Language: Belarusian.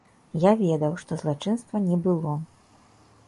Я ведаў, што злачынства не было.